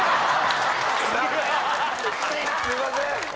すいません！